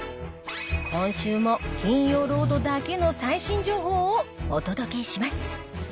今週も『金曜ロード』だけの最新情報をお届けします